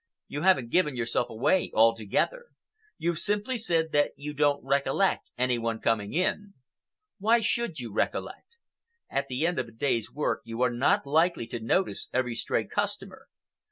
You haven't given yourself away altogether. You've simply said that you don't recollect any one coming in. Why should you recollect? At the end of a day's work you are not likely to notice every stray customer.